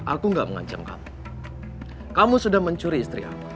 aku gak mengancam kamu kamu sudah mencuri istri aku